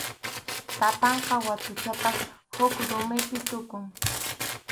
Sapanka watuchataq huk rumipi tukun.